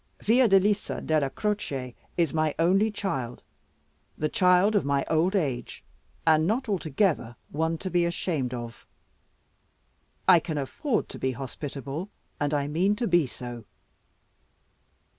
Fiordalisa Della Croce is my only child the child of my old age; and not altogether one to be ashamed of. I can afford to be hospitable, and I mean to be so."